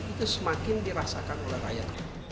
itu semakin dirasakan oleh rakyat